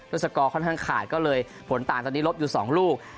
โลกศักดิ์ก็ค่อนข้างขาดก็เลยผลต่างตอนนี้ลบอยู่๒รูก